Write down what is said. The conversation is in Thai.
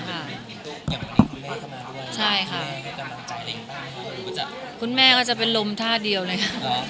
อย่างที่คุณแม่เข้ามาด้วยคุณแม่ก็จะเป็นลมท่าเดียวเลยค่ะ